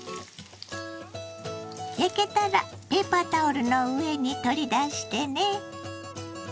焼けたらペーパータオルの上に取り出してね。